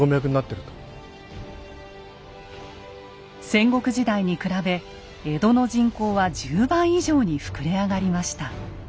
戦国時代に比べ江戸の人口は１０倍以上に膨れ上がりました。